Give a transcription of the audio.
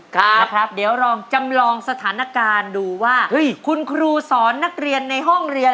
ครับนะครับเดี๋ยวลองจำลองสถานการณ์ดูว่าเฮ้ยคุณครูสอนนักเรียนในห้องเรียน